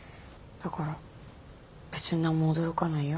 だから別に何も驚かないよ